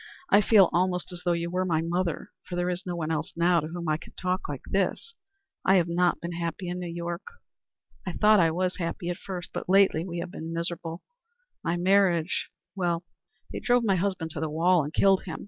I feel almost as though you were my mother, for there is no one else now to whom I can talk like this. I have not been happy in New York. I thought I was happy at first, but lately we have been miserable. My marriage er they drove my husband to the wall, and killed him.